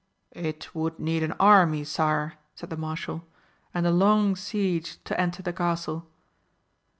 "It would need an army, sire," said the Marshal, "and a long siege, to enter the Castle."